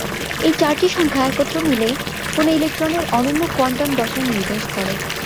এই চারটি সংখ্যা একত্রে মিলে কোন ইলেকট্রনের অনন্য কোয়ান্টাম দশা নির্দেশ করে।